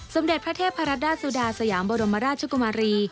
สมเด็จพระเทพรัดดาสุดาสยามบรมราชกุมารี